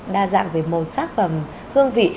đa dạng về màu sắc và hương vị